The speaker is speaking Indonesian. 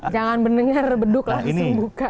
jangan mendengar beduk langsung buka